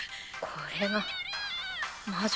これが魔女？